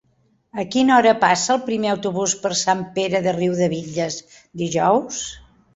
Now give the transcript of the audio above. A quina hora passa el primer autobús per Sant Pere de Riudebitlles dijous?